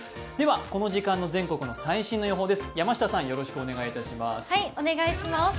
この時間の全国の最新の予報です。